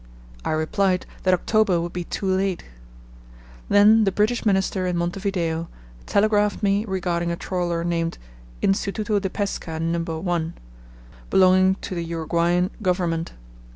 I replied that October would be too late. Then the British Minister in Montevideo telegraphed me regarding a trawler named Instituto de Pesca No. 1, belonging to the Uruguayan Government.